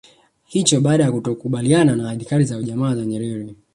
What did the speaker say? hicho baada ya kutokukubaliana na itikadi za ujamaa za Nyerere